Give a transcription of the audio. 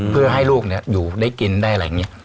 เพื่อให้ลูกอยู่ได้กินได้อะไรอย่างนี้